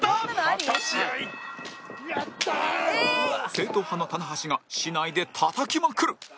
正統派の棚橋が竹刀でたたきまくる